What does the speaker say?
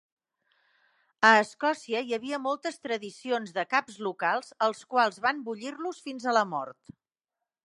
A Escòcia, hi havia moltes tradicions de caps locals als quals van bullir-los fins a la mort.